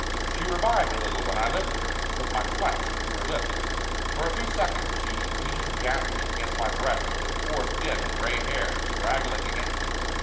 She revived a little when I lifted her and put my flask to her lips. For a few seconds she leaned gasping against my breast with her poor, thin, grey hair straggling across it.